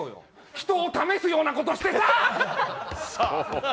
人を試すようなことしてさ！